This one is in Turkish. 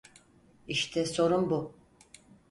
İşte sorun bu.